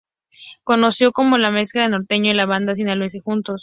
Conocido como la mezcla del norteño y la banda sinaloense juntos.